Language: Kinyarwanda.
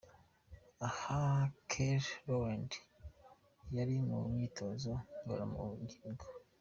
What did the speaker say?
Aha Kelly Rowland yari mu myitozo ngororangingo.